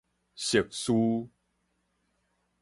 熟士